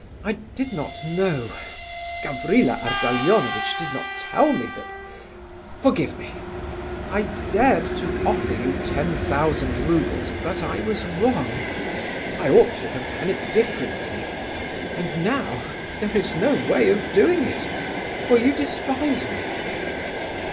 I did not know... Gavrila Ardalionovitch did not tell me that... Forgive me! I dared to offer you ten thousand roubles, but I was wrong. I ought to have done it differently, and now... there is no way of doing it, for you despise me..."